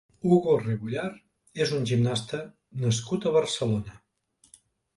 Hugo Rebollar és un gimnasta nascut a Barcelona.